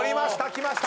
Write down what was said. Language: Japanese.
きました！